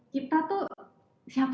kita tuh saya ingin mencoba